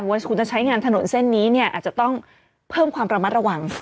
คุณจะใช้งานถนนเส้นนี้เนี่ยอาจจะต้องเพิ่มความระมัดระวัง